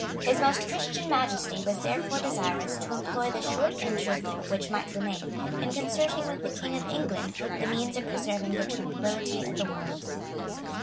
His Most Christian Majesty was therefore desirous to employ the short interval which might remain, in concerting with the King of England the means of preserving the tranquillity of the world.